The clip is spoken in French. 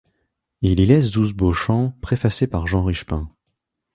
Il y laisse douze beaux chants préfacés par Jean Richepin.